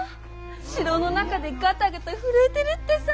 城の中でガタガタ震えてるってさ。